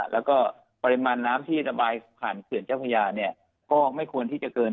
แล้วก็ปริมาณน้ำที่ระบายขันเขื่อนเจ้าพญาก็ไม่ควรที่จะเกิน๒๐๐๐